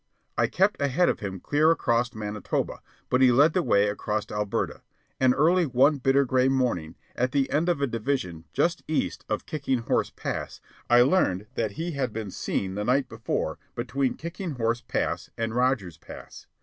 I kept ahead of him clear across Manitoba, but he led the way across Alberta, and early one bitter gray morning, at the end of a division just east of Kicking Horse Pass, I learned that he had been seen the night before between Kicking Horse Pass and Rogers' Pass.